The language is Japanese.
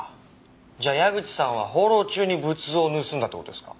じゃあ矢口さんは放浪中に仏像を盗んだって事ですか？